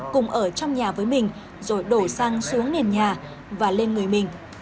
cùng ở trong nhà với mình rồi đổ xăng xuống nền nhà và lên người mình